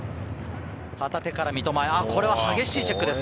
旗手から三笘へ、これは激しいチェックです。